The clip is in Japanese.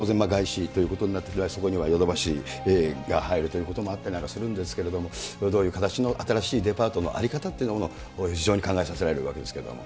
次の手をどういうふうに、当然外資ということになってくる、そこにはヨドバシが入るということもあったりなんかするんですけれども、どういう形の新しいデパートの在り方っていうものを非常に考えさせられるわけですけれども。